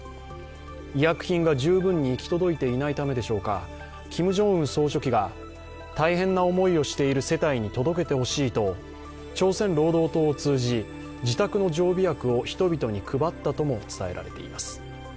医薬品が十分に行き届いていないためでしょうか、キム・ジョンウン総書記が、大変な思いをしている世帯に届けてほしいと朝鮮労働党を通じ自宅の常備薬を人々に配ったとも伝えられています。